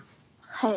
はい。